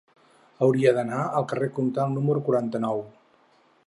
Hauria d'anar al carrer Comtal número quaranta-nou.